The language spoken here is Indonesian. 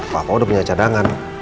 papa udah punya cadangan